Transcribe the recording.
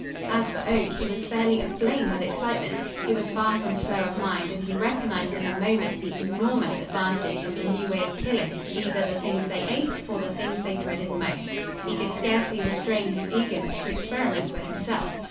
As for Oak, he was fairly aflame with excitement. He was far from slow of mind and he recognized in a moment the enormous advantage of the new way of killing either the things they ate, or the things they dreaded most. He could scarcely restrain his eagerness to experiment for himself.